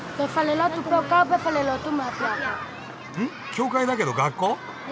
教会だけど学校？